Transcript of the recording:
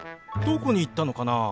どこに行ったのかな？